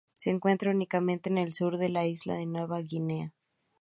Se encuentra únicamente en el sur de la isla de Nueva Guinea.